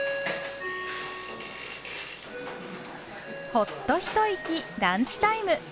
ほっとひと息ランチタイム。